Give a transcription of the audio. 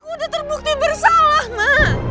aku udah terbukti bersalah ma